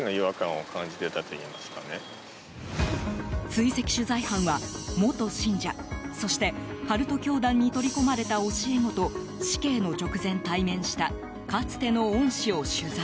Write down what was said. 追跡取材班は、元信者そして、カルト教団に取り込まれた教え子と死刑の直前、対面したかつての恩師を取材。